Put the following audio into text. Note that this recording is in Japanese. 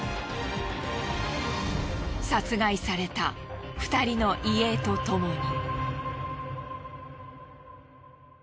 殺害された２人の遺影とともに。